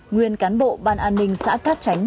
nguyên cán bộ ban an ninh xã cát tránh